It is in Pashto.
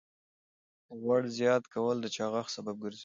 غوړ زیات کول د چاغښت سبب ګرځي.